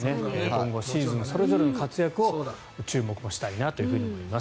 今後シーズン、それぞれの活躍に注目したいなと思います。